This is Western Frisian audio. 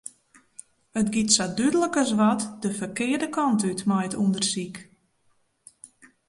It giet sa dúdlik as wat de ferkearde kant út mei it ûndersyk.